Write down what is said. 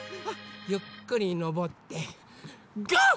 ゆっくりのぼってゴー！